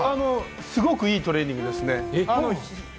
すごくいいトレーニングですね。